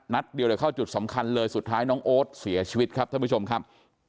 เดียวเลยเข้าจุดสำคัญเลยสุดท้ายน้องโอ๊ตเสียชีวิตครับท่านผู้ชมครับ